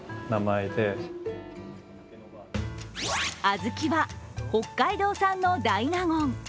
小豆は北海道産の大納言。